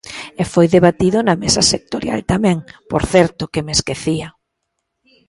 E foi debatido na Mesa sectorial tamén, por certo, que me esquecía.